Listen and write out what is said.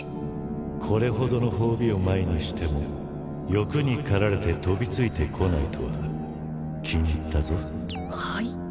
これほどの褒美を前にしても欲に駆られて飛びついてこないとは気に入ったぞはい？